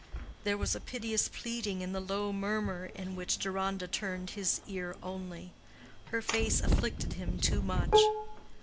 There was a piteous pleading in the low murmur in which Deronda turned his ear only. Her face afflicted him too much.